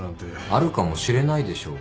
あるかもしれないでしょう。